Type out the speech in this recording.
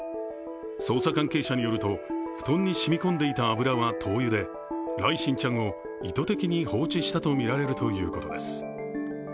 捜査関係者によると布団に染み込んでいた油は灯油で來心ちゃんを意図的に放置したとみられるということです。